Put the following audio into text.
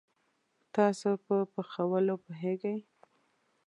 تاسو په پخولوو پوهیږئ؟